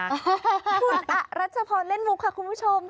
คุณอรัชพรเล่นมุกค่ะคุณผู้ชม